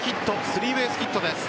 スリーベースヒットです。